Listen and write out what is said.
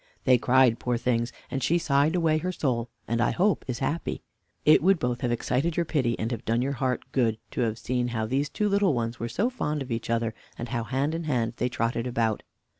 They cried, poor things, and she sighed away her soul; and I hope is happy. It would both have excited your pity, and have done your heart good, to have seen how these two little ones were so fond of each other, and how hand in hand they trotted about.